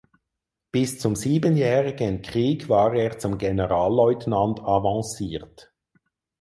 Bis zum Siebenjährigen Krieg war er zum Generalleutnant avanciert.